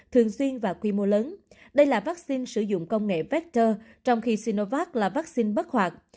thường xuyên và quy mô lớn đây là vaccine sử dụng công nghệ vector trong khi sinovac là vaccine bất hoạt